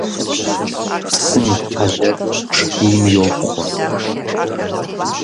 Псым итхьэлэр шхийм йопхъуэ.